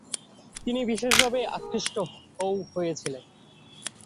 তিনি বিশেষভাবে আকৃষ্টও হয়েছিলেন।